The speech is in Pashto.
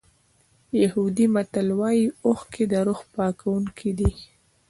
یهودي متل وایي اوښکې د روح پاکوونکي دي.